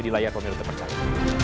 di layar komer terpercaya